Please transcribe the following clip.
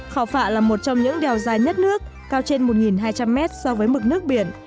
khảo phạ là một trong những đèo dài nhất nước cao trên một hai trăm linh mét so với mực nước biển